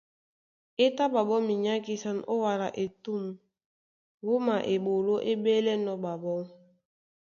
É tá ɓaɓɔ́ minyákisan ó wala etûm wúma eɓoló é ɓélɛ́nɔ̄ ɓaɓɔ́.